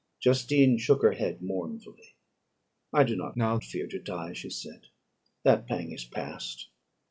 Justine shook her head mournfully. "I do now not fear to die," she said; "that pang is past.